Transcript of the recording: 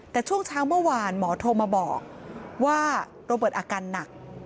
แต่ช่วงเช้าเมื่อวานหมอโทรมาบอกว่าโรเบิร์ตอาการหนัก